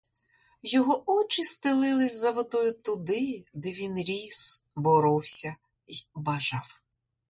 Його очі стелились за водою туди, де він ріс, боровся й бажав.